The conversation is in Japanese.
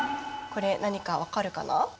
これ何か分かるかな？